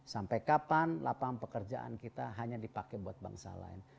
sampai kapan lapangan pekerjaan kita hanya dipakai buat bangsa lain